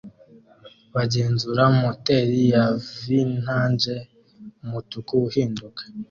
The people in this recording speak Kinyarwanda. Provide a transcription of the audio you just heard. bagenzura moteri ya vintage umutuku uhinduka